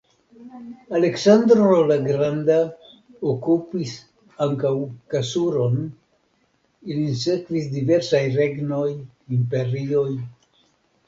Aleksandro la Granda okupis ankaŭ Kasur-on, ilin sekvis diversaj regnoj, imperioj.